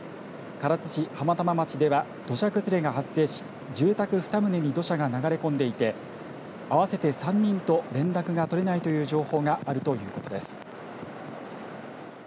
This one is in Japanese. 唐津市浜玉町では土砂崩れが発生し住宅２棟に土砂が流れ込んでいて合わせて３人と連絡が取れないという情報があるということです。